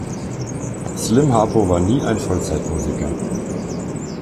Slim Harpo war nie ein Vollzeit-Musiker.